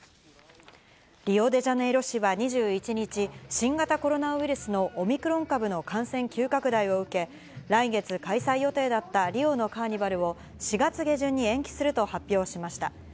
リオデジャネイロ市は２１日、新型コロナウイルスのオミクロン株の感染急拡大を受け、来月開催予定だったリオのカーニバルを、４月下旬に延期すると発表しました。